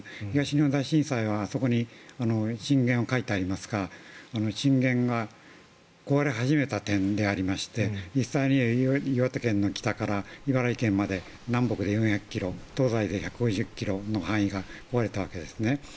東日本大震災はあそこに震源が書いてありますが震源が壊れ始めた点でありまして実際に岩手県の北から茨城県まで南北で４００ｋｍ東西で１５０ｋｍの範囲が壊れたわけです。